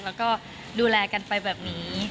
แล้วก็ดูแลกันไปแบบนี้